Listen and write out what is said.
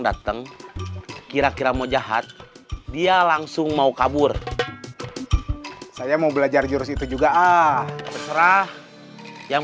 datang kira kira mau jahat dia langsung mau kabur saya mau belajar jurus itu juga ah terserah yang